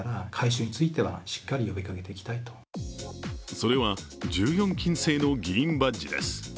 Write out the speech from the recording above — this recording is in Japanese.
それは１４金製の議員バッジです。